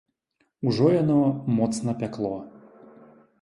Ужо яно моцна пякло.